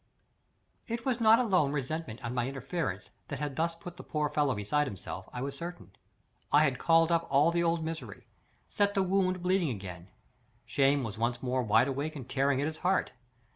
It was not alone resentment at my interference that had thus put the poor fellow beside himself, I was certain: I had called up all the old misery—set the wound bleeding again. Shame was once more wide awake and tearing at his heart.